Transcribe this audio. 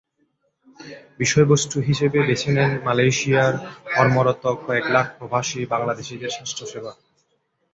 বিষয়বস্তু হিসেবে বেছে নেন মালয়েশিয়ায় কর্মরত কয়েক লাখ প্রবাসী বাংলাদেশিদের স্বাস্থ্যসেবা।